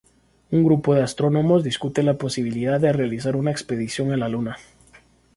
Un grupo de astrónomos discute la posibilidad de realizar una expedición a la luna.